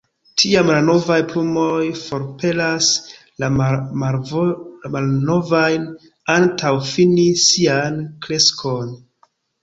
Tiam la novaj plumoj forpelas la malnovajn antaŭ fini sian kreskon.